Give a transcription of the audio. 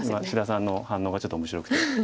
今志田さんの反応がちょっと面白くて。